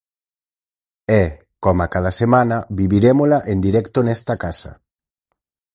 E, coma cada semana, vivirémola en directo nesta casa.